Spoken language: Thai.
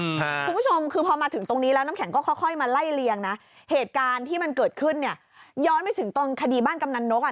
คุณผู้ชมคือพอมาถึงตรงนี้แล้วน้ำแข็งก็ค่อยค่อยมาไล่เลียงนะเหตุการณ์ที่มันเกิดขึ้นเนี่ยย้อนไปถึงตอนคดีบ้านกำนันนกอ่ะ